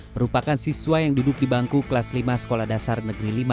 merupakan siswa yang duduk di bangku kelas lima sekolah dasar negeri lima